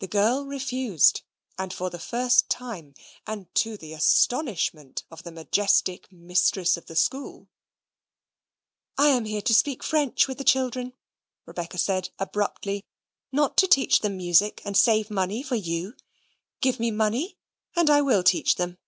The girl refused; and for the first time, and to the astonishment of the majestic mistress of the school. "I am here to speak French with the children," Rebecca said abruptly, "not to teach them music, and save money for you. Give me money, and I will teach them."